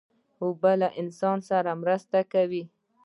اوبه له انسان سره مرسته کوي.